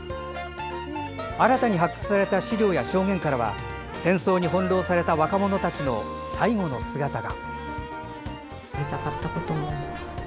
新たに発掘された資料や証言からは戦争に翻弄された若者たちの最期の姿が。